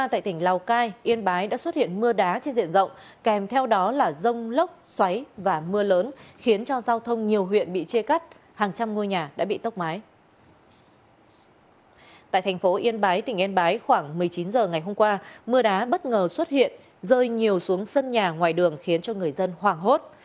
tại thành phố yên bái tỉnh yên bái khoảng một mươi chín h ngày hôm qua mưa đá bất ngờ xuất hiện rơi nhiều xuống sân nhà ngoài đường khiến cho người dân hoàng hốt